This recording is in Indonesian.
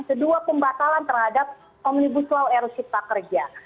kedua pembatalan terhadap omnibus law erosi pak kerja